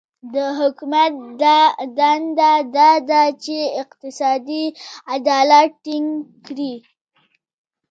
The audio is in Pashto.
د حکومت دنده دا ده چې اقتصادي عدالت ټینګ کړي.